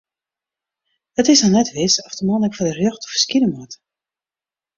It is noch net wis oft de man ek foar de rjochter ferskine moat.